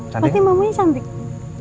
nanti mamunya cantik